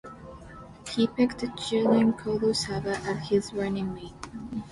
He picked Jibrin Kolo Saba as his running mate.